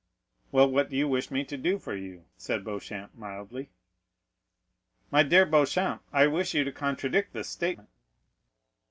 "Well, what do you wish me to do for you?" said Beauchamp mildly. "My dear Beauchamp, I wish you to contradict this statement."